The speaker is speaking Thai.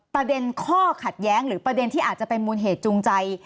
ประเด็นข้อขัดแย้งหรือประเด็นที่อาจจะเป็นมูลเหตุจูงใจ